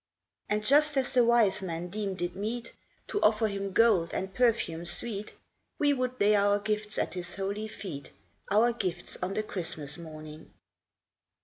THE STAR. 231 And just as the wise men deemed it meet To offer him gold and perfumes sweet, We would lay our gifts at his holy feet, Our gifts on the Christmas morning.